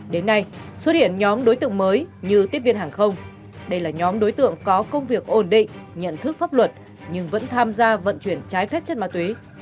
đến nay xuất hiện nhóm đối tượng mới như tiếp viên hàng không đây là nhóm đối tượng có công việc ổn định nhận thức pháp luật nhưng vẫn tham gia vận chuyển trái phép chất ma túy